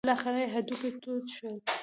بالاخره یې هډوکي تود شول.